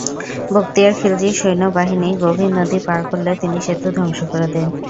বখতিয়ার খিলজির সৈন্যবাহিনী গভীর নদী পার করলে তিনি সেতু ধ্বংস করে দেন।